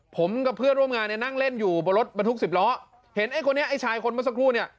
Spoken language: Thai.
ผมกับเพื่อนร่วมงานเนี่ยนั่งเล่นอยู่บนรถบรรทุกสิบล้อเห็นไอ้คนนี้ไอ้ชายคนเมื่อสักครู่เนี่ย